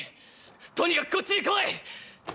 とにかくこっちに来い！